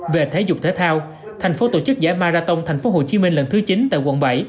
về thể dục thể thao thành phố tổ chức giải marathon thành phố hồ chí minh lần thứ chín tại quận bảy